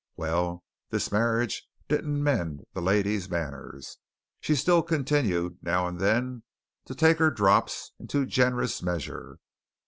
Well, this marriage didn't mend the lady's manners. She still continued, now and then, to take her drops in too generous measure.